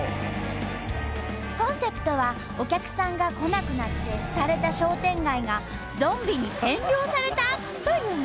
コンセプトはお客さんが来なくなって廃れた商店街がゾンビに占領された！？というもの。